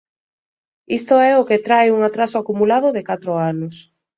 Isto é o que trae un atraso acumulado de catro anos.